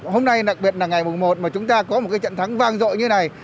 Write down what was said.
hôm nay đặc biệt là ngày một một mà chúng ta có một trận thắng vang dội như này